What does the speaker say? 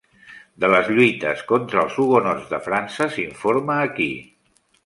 De les lluites contra els hugonots de França s"informa aquí.